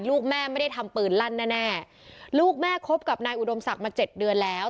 ลูกแม่ไม่ได้ทำปืนลั่นแน่แน่ลูกแม่คบกับนายอุดมศักดิ์มาเจ็ดเดือนแล้ว